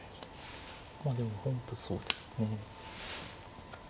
まあでも本譜そうですね。